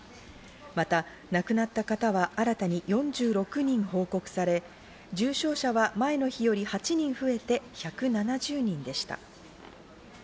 また亡くなった方は新たに４６人報告され、重症者は前の日より８人増えて１７０人でした。